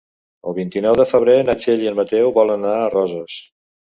El vint-i-nou de febrer na Txell i en Mateu volen anar a Roses.